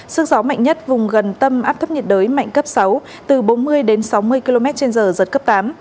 sức gió mạnh nhất vùng gần tâm áp thấp nhiệt đới mạnh cấp sáu từ bốn mươi đến sáu mươi km trên giờ giật cấp tám